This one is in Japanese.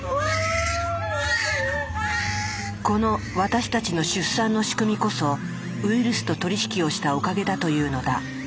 この私たちの出産の仕組みこそウイルスと取り引きをしたおかげだというのだ。